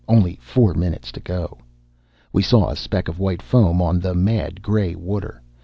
Only four minutes to go. We saw a speck of white foam on the mad gray water.